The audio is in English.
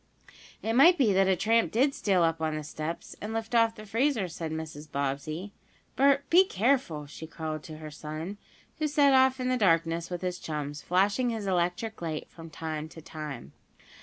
"It might be that a tramp did steal up on the steps, and lift off the freezer," said Mrs. Bobbsey. "Bert, be careful," she called to her son, who set off in the darkness with his chums, flashing his electric light from time to time.